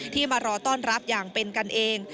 มารอต้อนรับอย่างเป็นกันเอง